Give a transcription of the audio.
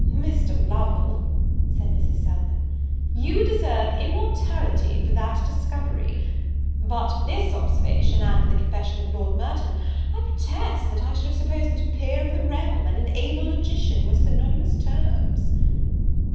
"Mr. Lovel," said Mrs. Selwyn, "you deserve immortality for that discovery! But for this observation, and the confession of Lord Merton, I protest that I should have supposed that a peer of the realm, and an able logician, were synonymous terms."